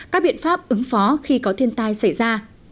các biện pháp ứng phó khi có thiên tai xảy ra